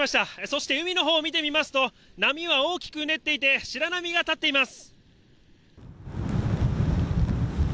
そして海のほうを見てみますと、波は大きくうねっていて、白波が立っています。